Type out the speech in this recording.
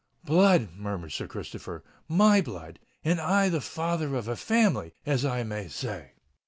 "Blood!" murmured Sir Christopher: "my blood! and I the father of a family, as I may say."